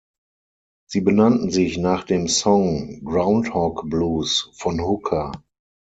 Sie benannten sich nach dem Song „Groundhog Blues“ von Hooker.